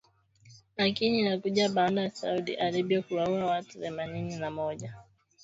Lakini inakuja baada ya Saudi Arabia kuwaua watu themanini na moja waliopatikana na hatia ya uhalifu.